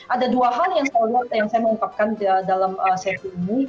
ada dua hal yang saya lihat yang saya mengungkapkan dalam sesi ini